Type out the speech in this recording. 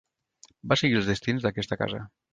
Va seguir els destins d'aquesta casa.